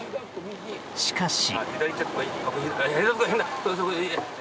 しかし。